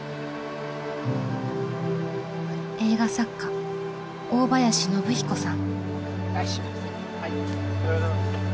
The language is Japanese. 映画作家大林宣彦さん。